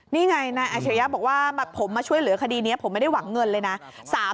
นี่ไงนายอาชริยะบอกว่าผมมาช่วยเหลือคดีนี้ผมไม่ได้หวังเงินเลยนะ